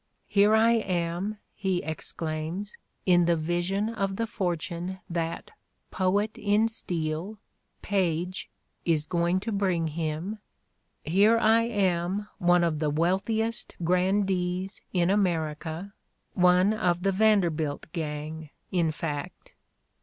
"Here I am," he exclaims, in the vision of the fortune that "poet in steel," Paige, is going to bring him — "here I am one of the wealthiest grandees in America, one of the Vanderbilt gang, in fact."